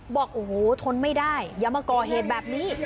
บอกโอ้โหทนไม่ได้อย่ามาก่อเหตุแบบนี้